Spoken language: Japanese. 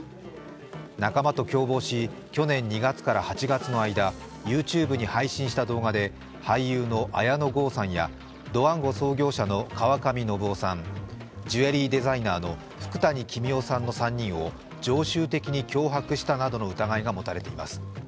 仲間と共謀し去年２月から８月の間ＹｏｕＴｕｂｅに配信した動画で俳優の綾野剛さんやドワンゴ創業者の川上量生さん、ジュエリーデザイナーの福谷公男さんの３人を常習的に脅迫したなどの疑いが持たれています。